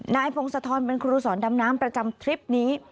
พงศธรเป็นครูสอนดำน้ำประจำทริปนี้